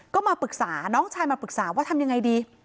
ก็มาปรึกษาน้องชายมาปรึกษาว่าทำยังไงดี